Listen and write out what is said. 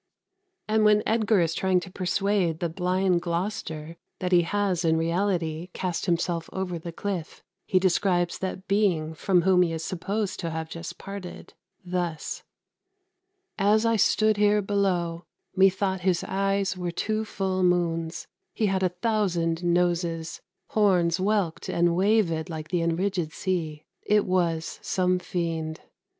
" And when Edgar is trying to persuade the blind Gloucester that he has in reality cast himself over the cliff, he describes the being from whom he is supposed to have just parted, thus: "As I stood here below, methought his eyes Were two full moons: he had a thousand noses; Horns whelked and wavèd like the enridgèd sea: It was some fiend."